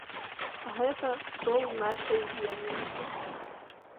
Гэта стол нашай еднасці.